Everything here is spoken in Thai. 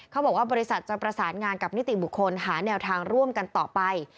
บริษัทจะประสานงานกับนิติบุคคลหาแนวทางร่วมกันต่อไป